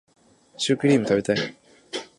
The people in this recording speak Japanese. シュークリーム食べたい